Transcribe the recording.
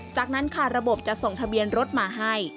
จากนั้นค่ะระบบจะส่งทะเบียนรถมาให้